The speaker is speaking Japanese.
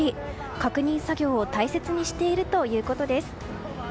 確認作業を大切にしているということです。